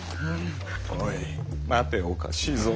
おい待ておかしいぞ。